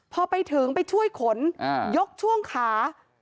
พอไปถึงไปช่วยขนยกช่วงขา